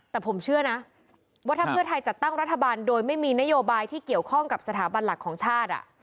แต่ผมเชื่อนะว่าถ้าเพื่อไทยจัดตั้งรัฐบาลโดยไม่มีนโยบายที่เกี่ยวข้องกับสถาบันหลักของชาติ